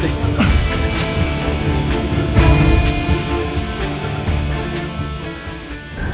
kayaknya gue mau ke rumah